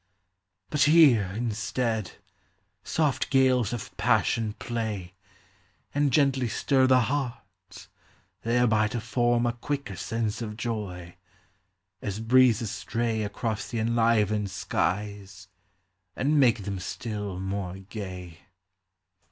But here, instead, soft gales of passion play, And gently stir the heart, thereby to form A quicker sense of joy ; as breezes stray Across the enlivened skies, and make them still more gay.